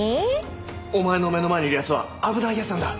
お前の目の前にいる奴は危ない奴なんだ。